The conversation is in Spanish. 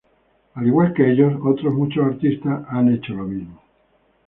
Al igual que ellos, otros muchos artistas han hecho lo mismo.